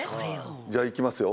じゃあいきますよ